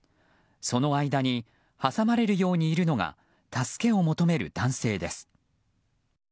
その間に挟まれるようにいるのが助けを求める男性です。